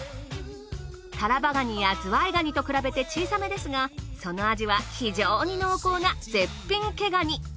タラバガニやズワイガニと比べて小さめですがその味は非常に濃厚な絶品毛ガニ。